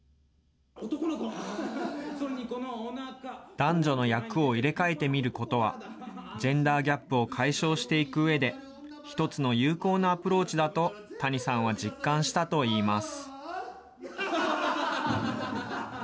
男女の役を入れ替えてみることは、ジェンダー・ギャップを解消していくうえで、一つの有効なアプローチだと谷さんは実感したといいます。